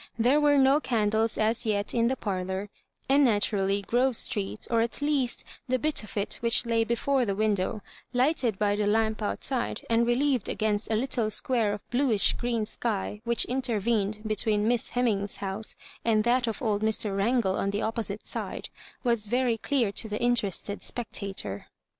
There were no candles as yet in the parlour, and naturally Grove Street — or at least the bit of it which lay before the window, lighted by the lamp outside, and relieved against a little square of bluish green sky which intervened between Miss Hemmings's house and that of old Mr. Wrangle on the opposite side — was very clear to the interested spectator.